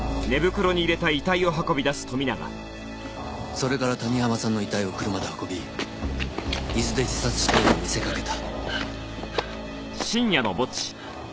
それから谷浜さんの遺体を車で運び伊豆で自殺したように見せかけた。